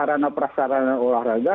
sarana perasana olahraga